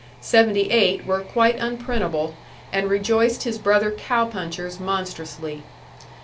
Seventy eight were quite unprintable, and rejoiced his brother cow punchers monstrously.